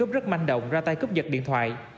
ra tay cướp giật điện thoại